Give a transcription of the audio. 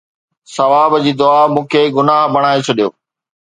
ثواب جي دعا مون کي گناهه بڻائي ڇڏيو